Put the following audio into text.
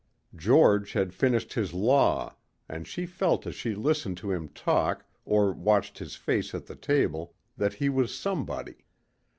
George had finished his law and she felt as she listened to him talk or watched his face at the table that he was somebody.